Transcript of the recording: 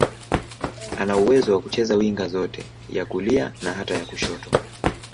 Ana uwezo wa kucheza winga zote, ya kulia na hata ya kushoto.